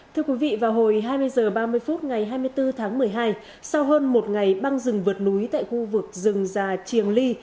thưa quý vị vào hồi hai mươi h ba mươi phút ngày hai mươi bốn tháng một mươi hai sau hơn một ngày băng rừng vượt núi tại khu vực rừng già triềng ly